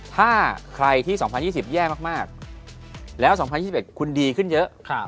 ถ้าใครที่๒๐๒๐แย่มากแล้ว๒๐๒๑คุณดีขึ้นเยอะ